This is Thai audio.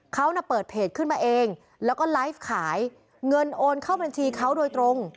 เขาน่ะเปิดเพจขึ้นมาเองแล้วก็ไลฟ์ขายเงินโอนเข้าบัญชีเขาโดยตรง